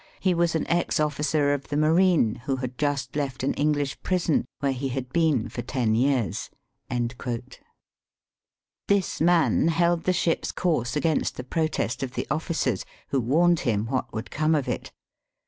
He was an ex officer of the marine, who had just left an English prison, where he had been for ten years." This man held the ship's course against the protest of the officers, who warned him Avhat would come of it.